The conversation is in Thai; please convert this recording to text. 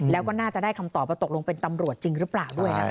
แล้วก็น่าจะได้คำตอบว่าตกลงเป็นตำรวจจริงหรือเปล่าด้วยนะคะ